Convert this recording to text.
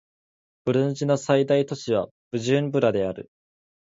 ブルンジの最大都市はブジュンブラである